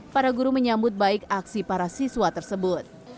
para guru menyambut baik aksi para siswa tersebut